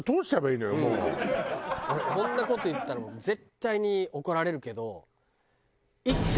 こんな事言ったらもう絶対に怒られるけど。